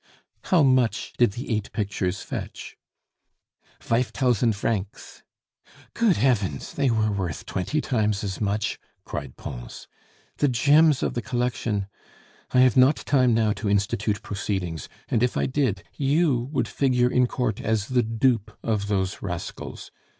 How much did the eight pictures fetch?" "Vife tausend vrancs." "Good heavens! they were worth twenty times as much!" cried Pons; "the gems of the collection! I have not time now to institute proceedings; and if I did, you would figure in court as the dupe of those rascals.